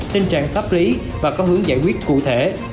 tình trạng pháp lý và có hướng giải quyết cụ thể